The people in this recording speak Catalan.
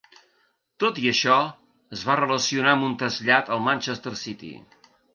Tot i això, es va relacionar amb un trasllat al Manchester City.